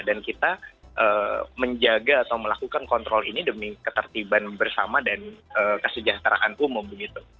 dan kita menjaga atau melakukan kontrol ini demi ketertiban bersama dan kesejahteraan umum gitu